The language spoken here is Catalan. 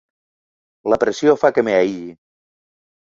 La pressió fa que m'aïlli.